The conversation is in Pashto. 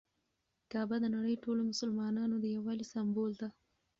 کعبه د نړۍ ټولو مسلمانانو د یووالي سمبول ده.